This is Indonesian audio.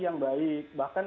yang baik bahkan